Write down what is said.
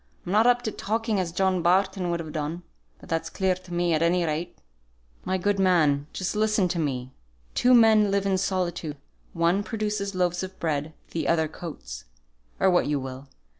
I'm not up to talking as John Barton would have done, but that's clear to me at any rate." "My good man, just listen to me. Two men live in solitude; one produces loaves of bread, the other coats, or what you will.